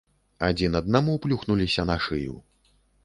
Адзін аднаму плюхнуліся на шыю.